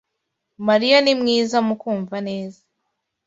Mariya ni mwiza mukumva neza.